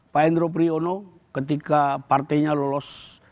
pak hendro priyono ketika partainya lolos